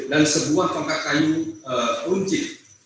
dan sebuah tongkat kayu kunci